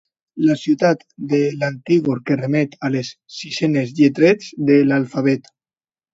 La ciutat de l'antigor que remet a les sisenes lletres de l'alfabet.